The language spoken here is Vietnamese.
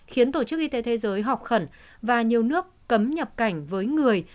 khiến tổ chức y tế thế giới họp khẩn và nhiều nước cấm nhập cảnh với người